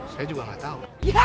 saya juga nggak tahu